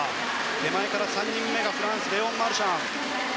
手前から３人目がフランス、レオン・マルシャン。